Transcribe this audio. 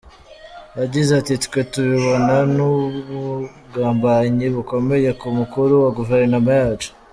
Yagize ati “Twe tubibona nk’ubugambanyi bukomeye ku mukuru wa guverinoma yacu.